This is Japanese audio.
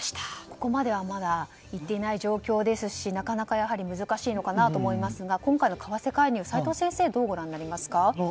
ここまではまだいっていない状況ですしなかなか、難しいのかなと思いますが今回の為替介入齋藤先生はどうご覧になりますか。